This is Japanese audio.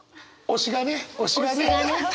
推しがね！